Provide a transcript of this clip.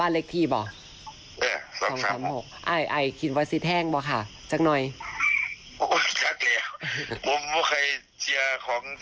อายเขียนความทรงใจรู้ไหมจากลงนั่น